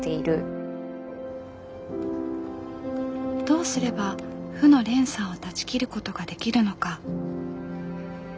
どうすれば負の連鎖を断ち切ることができるのか。